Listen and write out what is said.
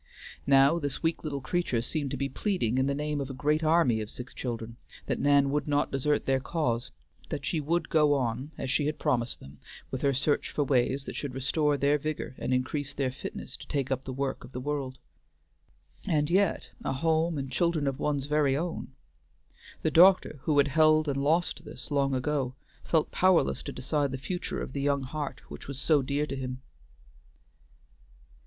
Now, this weak little creature seemed to be pleading in the name of a great army of sick children, that Nan would not desert their cause; that she would go on, as she had promised them, with her search for ways that should restore their vigor and increase their fitness to take up the work of the world. And yet, a home and children of one's very own, the doctor, who had held and lost this long ago, felt powerless to decide the future of the young heart which was so dear to him.